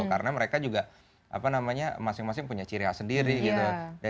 karena mereka juga apa namanya masing masing punya ciri khas sendiri gitu